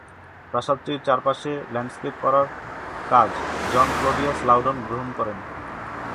প্রাসাদটির চারপাশে ল্যান্ডস্কেপ করার কাজ জন ক্লডিয়াস লাউডন গ্রহণ করেন।